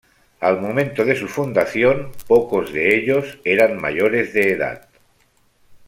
Al momento de su fundación, pocos de ellos eran mayores de edad.